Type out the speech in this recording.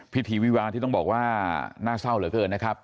พิธีวิวาที่ต้องบอกว่าน่าเศร้าเหลือเกินนะครับ